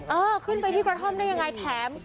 เพื่อนบ้านเจ้าหน้าที่อำรวจกู้ภัย